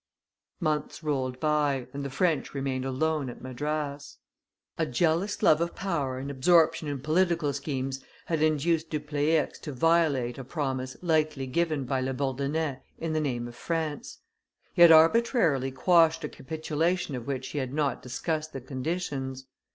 Months rolled by, and the French remained alone at Madras. [Illustration: La Bourdonnais 170] A jealous love of power and absorption in political schemes had induced Dupleix to violate a promise lightly given by La Bourdonnais in the name of France; he had arbitrarily quashed a capitulation of which he had not discussed the conditions.